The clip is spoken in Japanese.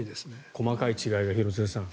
細かい違いが、廣津留さん